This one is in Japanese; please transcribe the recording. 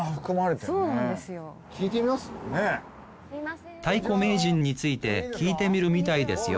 たいこ名人について聞いてみるみたいですよ